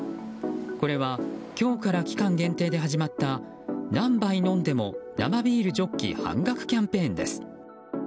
これは今日から期間限定で始まった何杯飲んでも生ビールジョッキ半額キャンペーンです。